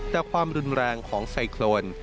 แต่ความรุนแรงของไซโครน